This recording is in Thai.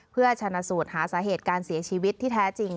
เพื่อชนะสูตรหาสาเหตุการเสียชีวิตที่แท้จริง